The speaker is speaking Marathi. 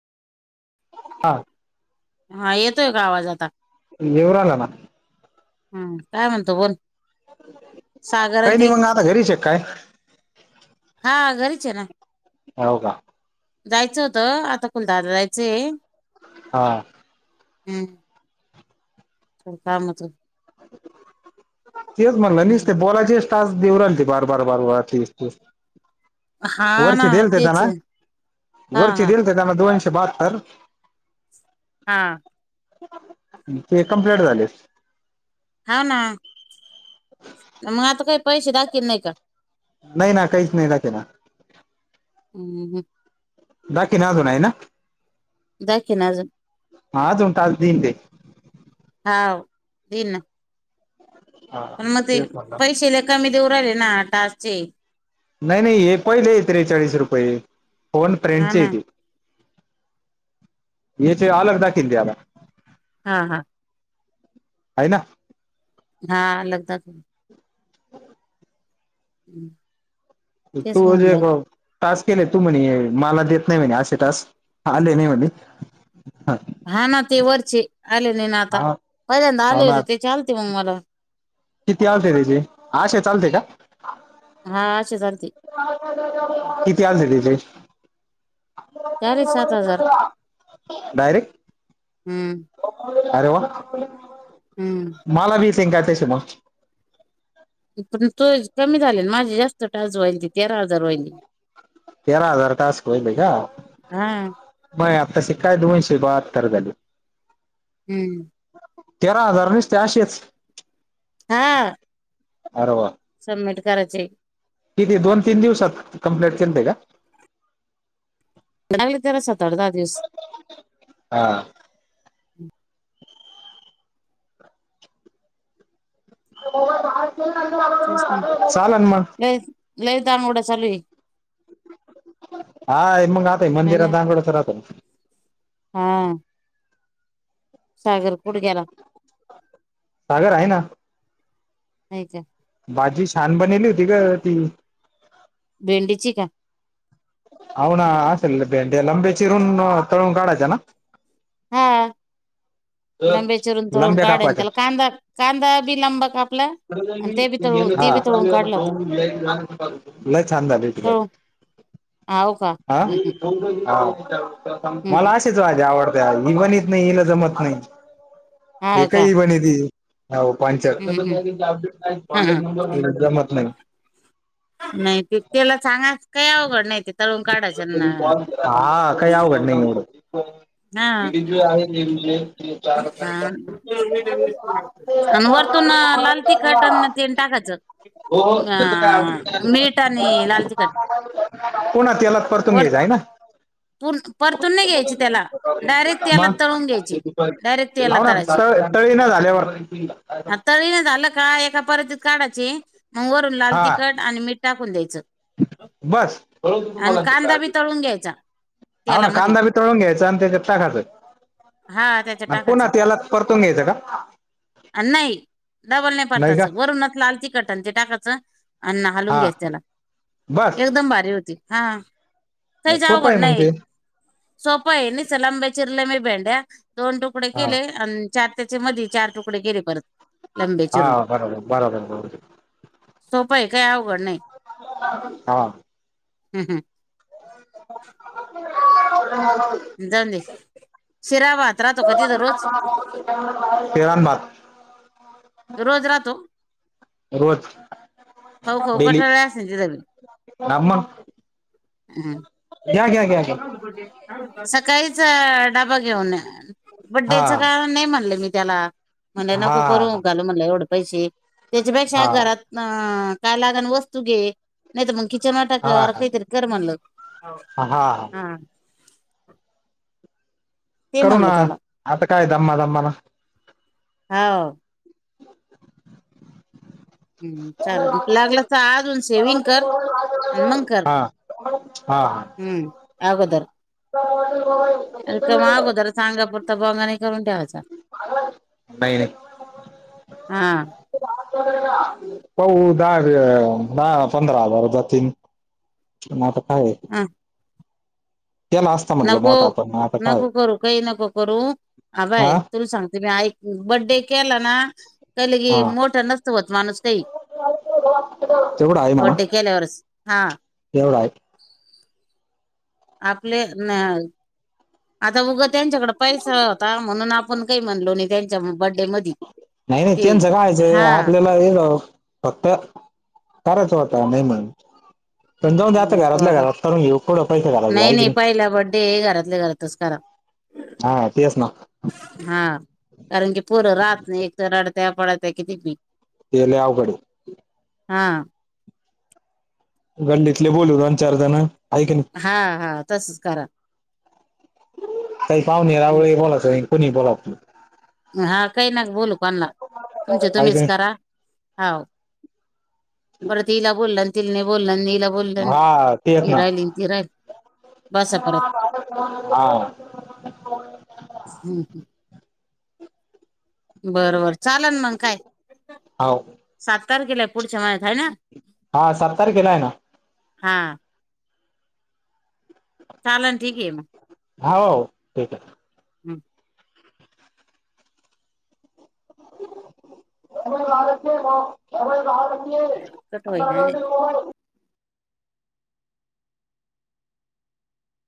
हा. हा येतोय का आवाज आता. इवराल ना. हम् काय म्हणतो बोल. सागर काही नाही ते मग आता घरीच आहे काय हा घरीच आहे ना. हो का. जायचं होतं आता कुलधला जायचंय. हा. हम. चोर कामांच तेच म्हग ना नसते बॉलाचेच टास्क देऊ रालते बार बार बारबार तीस तीस. हा ना वरचे दिल ते तेच त्यांना आहे हा वर्ष हा दिल ते त्यांना दोनशे बहात्तर. हां. ते कमप्लीट झाले. हाव ना‌. मग आता काही पैसे दाखल नाही का? नाही ना काहीच नाही दाखवलं. हम्म ह [unintelligible] अजून आहे ना? दाखवि ना अजून हा अजून टास्क देईन ते हाव देन ना. हा पण मग ते तेच म्हणलं पैसेले कमी देऊ राहिले ना टासचे. नाही नाही एक पहिले त्रेचाळीस रुपये फोन हा फ्रेंडचे ना येते. योतोय अलग दाकीद द्यायला. हा हा. हाय ना. हा आलं तर. [unintelligible] [inaudible] तेच म्हणलं [unintelligible] टास्क केले तू म्हणे मला देत नाही म्हणे असे टास्क आले नाही म्हणे. हा ना ते वरची आलेली ना हा आता पहिल्यांदा हो आले ना होते ते आलते मग मला. किती आलते त्याचे आशय चालते का? हा शिजाराती. किती आलते तिचे. चालेल सात हजार डायरेक्ट. हम्म. अरे वा! हम्म. मला बी सांगायच मग. पण तो कमी झाले माझी जास्त टास व्हाल ति तेरा हजार व्हायले. तेरा हजार टास्क होयले का? हा माझे आत्ता शे काय दोनशे बहात्तर झाले. हम्म! तेरा हजार नुसते आशेच. हा. अरे वा! सबमिट करायचे. किती दोन तीन दिवसात कंप्लेट केलते का? मग लागलीत तेला सात आठ दिवस. हा. [unintelligible] चालन मग. लईदा मोडा चालु आहे. हा मग आहताय हाय ना मंदिरात दांगोडात राहतोत. हा. सागर कुट गेला. सागर आहे ना. नाही का. भाजी छान बनवली होती ग ती. भेंडीची का. हो ना असेल भेंडे लंबे चिरून तळून काढायचा ना. हा. लांब्या चिरून तुरून लंब्या काढन कापाच्या त्याला कांदा कांदा बी लांबा का आपला. [unintelligible] नाही छान झाले तु तळून हाव का आ हम्म हम्म मला हम्म असा झ्या भाजी आवडत ही बनत नाही हिला जमत नाही हाव का एकही ह बनती. हो पं हम्म हम्म अपडेट नाही हा हा कॉनॅक्ट जमत नाही. नाही ते त्याला सांगाच काही अवघड नाही ते तळून काढाचाय नं. हा काही अवघड [unintelligible] हा वरतून लाल तिकट अन तेल टाकत ज. हो त्या काय आला लाल तिखट पुणा तेलात परतून घ्यायच वरतून आहे ना. परतून नाही घ्यायची त्याला डायरेक्ट त्याला तळून घ्यायची [unintelligible] डायरेक्ट तेला हो ना तळायची तळ तळी नाही झाल्यावर. तरी नाही झालं का एका परतीत काढाचे मग वरून लाल हा तिखट आणि मीठ टाकून द्यायचं. बस बरोत तुम्हाला. आणि कांदा बी तळून घ्यायचा हा ना तेलामध्ये कांदा बी तळून घ्यायचां आणि ते टा खाचं. हा त्याच्या पुन टाकायचा याला परतून घ्यायचं का. नाहीडबल नाही पडताच वरूनच लाल ती. कट ते टाकायचं अण्न हालून हा घ्यास त्याला बस एकदम भारी होती हा. खोप आहे मग ते. सोप आहे नि चलाब चिरलेमी भेंड्या दोन तुकडे हा केले आणि. चार त्याचे मध चार तुकडे गेले परत. लंबे हा चिरून बरोबर बरोबर बरोबर. सोपं आहे काही अवघड नाही. हा. हम् हम. [unintelligible] [inaudible] जाऊदे शिराबाद. [inaudible] इरानबाद. रोज राहतो. रोज हऊ खऊ डेली कटाळले असेल जिरेल. हा मग हम्म. घ्या घ्या घ्या. घ्या [inaudible] सकाळीच डाबा घेऊन. हा बड्डेचं कारण नाही म्हणलं मी त्याला म्हणले नको करू हा घालू म्हणलं एवढे पैसे. त्याच्यापेक्षा हा घरात अ काय लागान वस्तू घे. नाहीत मग किचन वाटा हा कार हा काहीतरी का म्हणलं. हा. हा. ते करू म्हणलं ना. त्याला आता काय दममा - दममान. हाव. हम्म चालेल लागलं तर अजून सेविंग कर आणि मग कर [unintelligible] हा. [unintelligible] हा. हम्म. आगोदर. [unintelligible] रिकामा अगोदरच आंगा पुुरता बोंगा, नाही करून ठेवायचं. [unintelligible] बहिणय. [unintelligible] हा [unintelligible] दहा- पंधरा हजार जातील. म आता काय आहे. अ. म्हटलं नको. मोठा पण आता काय नको करू, काही नको करू. हा अभय, तुला सांगते मी आईक. बड्डे केला ना. का लगे काय हा. मोठं नसत होत. माणूस काई. बड्डे केल्यावरच. हा. एवढ, हाय. आपले न अ. आता उघं त्यांच्याकडे पैसा होता. म्हणून आपण काही म्हणलो नाही. त्यांच्या बड्डे मधी. नाही -. ते त्यांच कायचं. हा आपल्याला [unintelligible] फक्त करायचा होता. नाही मनून. पण जावू दे आता. नको घरातल्या - बाबा घरात करून घेऊ. थोडे पैसे घालावे. हाय की नाही. ते हे घरातल्या - घरातच करा. हा, तेच ना. हा. कारण की, पोरं राहत नाही, एक तर. रडत्या - पडात्या किती बी. ते लय अवघडय. हा. गल्लीतले बोलवून आण, चार जणं. हा, हा. तसच करा. काही पावणे- रावळे बोलायच नाय. कोणी बोलवू आपूण. हा, काही नका, बोलवू कोणाला. तुमच्या आहे की तुम्हीच नाही करा. हाव. परत हिला बोलल. न तिला नाही बोलल. न इला हा, तेच ना. बसा परत [unintelligible] हा. हं, हं. बर - बर चालन मग, काय. हो सात तारखेलाय पुढच्या महिन्यात. हाय ना. हा, सात तारखेलाय ना. हा. चालन. ठीकय, मग. हा, हो. ठीकय. हम. कट होईना नाही [unintelligible]